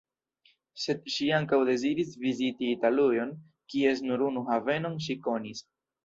Sed ŝi ankaŭ deziris viziti Italujon, kies nur unu havenon ŝi konis.